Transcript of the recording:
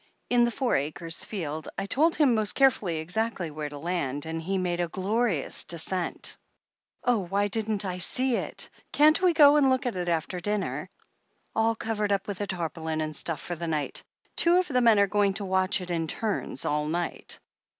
"In the Four Acres field — I told him most carefully exactly where to land, and he made a glorious descent/' "Oh, why didn't I see it ! Can't we go and look at it after dinner?" "All covered up with tarpaulin and stuff for the night. Two of the men are going to watch it, in turns, all night.